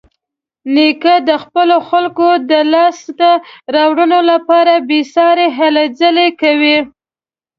نیکه د خپلو خلکو د لاسته راوړنو لپاره بېسارې هلې ځلې کوي.